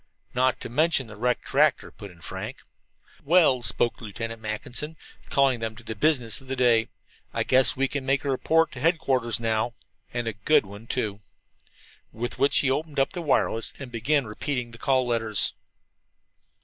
"Not to mention the wrecked tractor," put in Frank. "Well," spoke Lieutenant Mackinson, calling them to the business of the day, "I guess we can make a report to headquarters now and a good one, too." With which he opened up the wireless and began repeating the call letters.